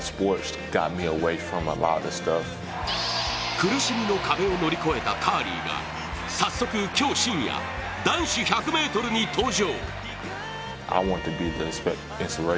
苦しみの壁を乗り越えたカーリーが早速、今日深夜男子１００ｍに登場。